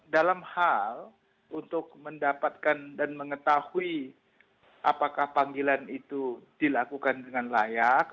dalam hal untuk mendapatkan dan mengetahui apakah panggilan itu dilakukan dengan layak